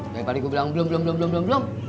daripada gue bilang belum belum belum belum belum